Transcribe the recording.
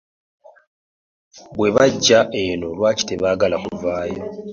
Bwe bajja eno lwaki tebaagala kuvaayo?